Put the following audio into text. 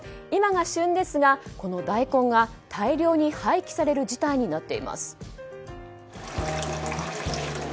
今が旬ですが、この大根が大量に廃棄される事態になっています。